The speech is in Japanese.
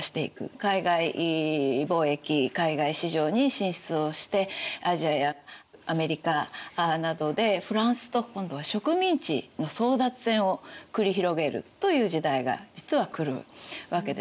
海外貿易海外市場に進出をしてアジアやアメリカなどでフランスと今度は植民地の争奪戦を繰り広げるという時代が実は来るわけです。